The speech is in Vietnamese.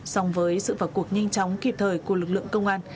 song với sự vào cuộc nhanh chóng kịp thời của lực lượng công an